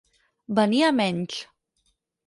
Venir a menys.